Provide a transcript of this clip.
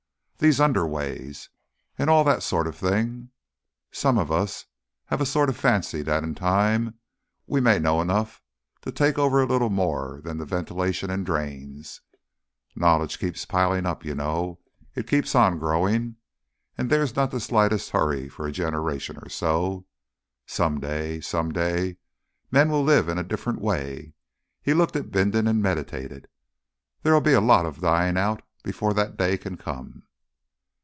These Underways! And all that sort of thing. Some of us have a sort of fancy that in time we may know enough to take over a little more than the ventilation and drains. Knowledge keeps on piling up, you know. It keeps on growing. And there's not the slightest hurry for a generation or so. Some day some day, men will live in a different way." He looked at Bindon and meditated. "There'll be a lot of dying out before that day can come."